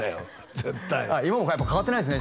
絶対今も変わってないすね